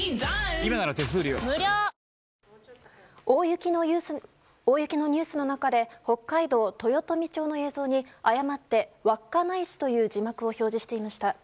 大雪のニュースの中で北海道豊富町の映像に映像に誤って稚内市という字幕を表示していました。